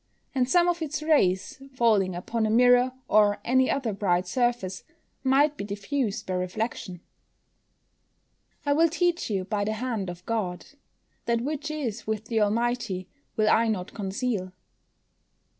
And some of its rays, falling upon a mirror, or any other bright surface, might be diffused by reflection. [Verse: "I will teach you by the hand of God; that which is with the Almighty will I not conceal."